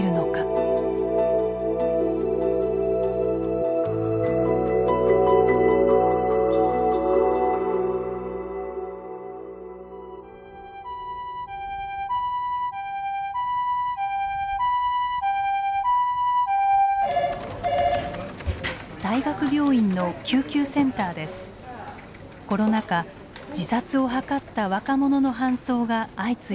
コロナ下自殺を図った若者の搬送が相次いでいます。